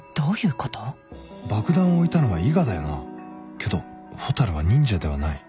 けど蛍は忍者ではない。